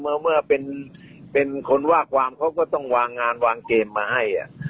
เมื่อเมื่อเป็นเป็นคนว่ากวามเขาก็ต้องวางงานวางเกมมาให้อ่ะ